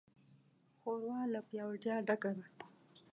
ښوروا له پیاوړتیا ډکه ده.